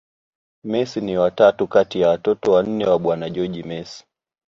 Messi ni wa tatu kati ya watoto wanne wa bwana Jorge Mesi